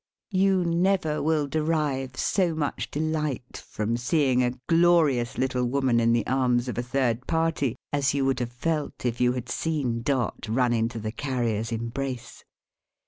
You never will derive so much delight from seeing a glorious little woman in the arms of a third party, as you would have felt if you had seen Dot run into the Carrier's embrace.